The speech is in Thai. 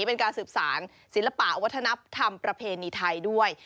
เป็นการสืบสารศิลปะวัฒนธรรมประเพณีไทยด้วย